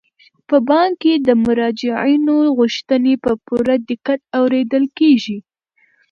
په بانک کې د مراجعینو غوښتنې په پوره دقت اوریدل کیږي.